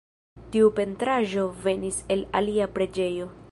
Tiu pentraĵo venis el alia preĝejo.